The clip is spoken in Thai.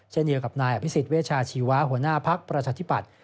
เช่นเดียวกับนายอภิษฎเวชาชีวะหัวหน้าภักดิ์ประชาธิปัตย